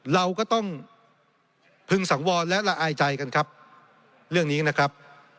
เราก็ต้องพึงสังวรและละอายใจกันครับเรื่องนี้นะครับ